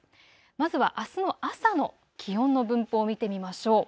まずはあすの朝の気温の分布を見てみましょう。